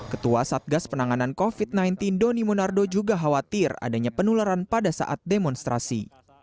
ketua satgas penanganan covid sembilan belas doni monardo juga khawatir adanya penularan pada saat demonstrasi